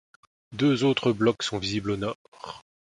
Deux autres blocs sont visibles au nord.